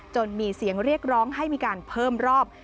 มีเสียงเรียกร้องให้มีการเพิ่มรอบ